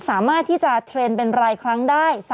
สามารถที่จะเทรนด์เป็นรายครั้งได้